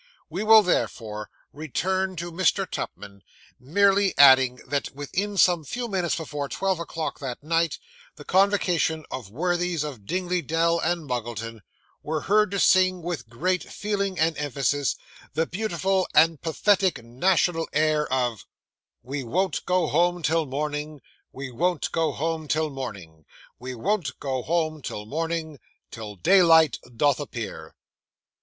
We will therefore return to Mr. Tupman; merely adding that within some few minutes before twelve o'clock that night, the convocation of worthies of Dingley Dell and Muggleton were heard to sing, with great feeling and emphasis, the beautiful and pathetic national air of 'We won't go home till morning, We won't go home till morning, We won't go home till morning, Till daylight doth appear.